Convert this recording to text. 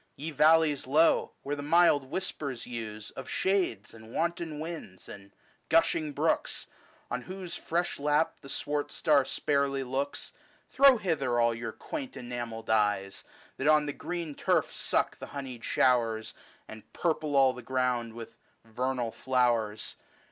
Ye valleys low, where the mild whispers use Of shades, and wanton winds, and gushing brooks, On whose fresh lap the swart star sparely looks, 24 LYCIDAS. Throw hither all your quaint enamelled eyes, That on the green turf suck the honeyed showers, 140 And purple all the ground with vernal flowers.